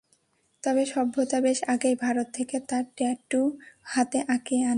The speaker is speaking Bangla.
তবে সভ্যতা বেশ আগেই ভারত থেকে তাঁর ট্যাটু হাতে আঁকিয়ে আনেন।